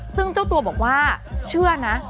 ซึ่งเจ้าตัวบอกว่าเชื่อนะ